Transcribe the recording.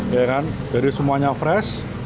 ya kan jadi semuanya fresh